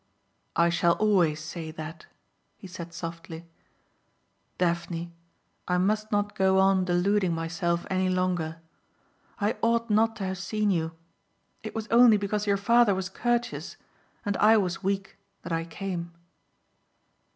"I shall always say that," he said softly. "Daphne, I must not go on deluding myself any longer. I ought not to have seen you. It was only because your father was courteous and I was weak that I came."